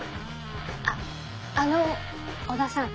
あっあの織田さん。